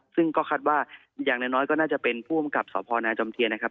ซึ่งก็คาดว่าอย่างน้อยน้อยก็น่าจะเป็นผู้บังกับสวนพรณาจำเทียนะครับ